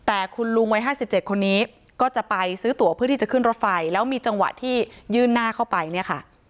แต่คุณลุงวัย๕๗คนนี้ก็จะไปซื้อตัวเพื่อที่จะขึ้นรถไฟแล้วมีจังหวะที่ยื่นหน้าเข้าไปเนี่ยค่ะ